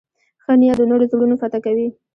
ښه نیت د نورو زړونه فتح کوي.